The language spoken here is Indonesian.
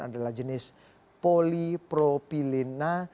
adalah jenis polipropilina